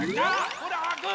ほらあく！